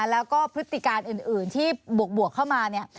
แล้วก็พฤติการอื่นที่บวกเข้ามาเนี่ย